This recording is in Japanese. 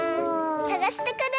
さがしてくる！